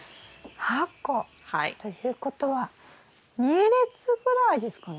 ８個。ということは２列ぐらいですかね？